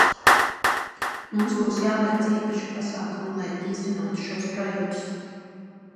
Mums būs jāveic īpaši pasākumi, lai īstenotu šos projektus.